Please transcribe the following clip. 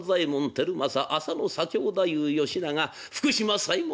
輝政浅野左京大夫幸長福島左衛門